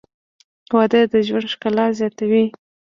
• واده د ژوند ښکلا زیاتوي.